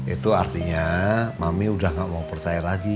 itu artinya mami udah gak mau percaya lagi